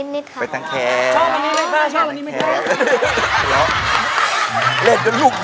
ผมจะไปกินเกาเหลาครับผม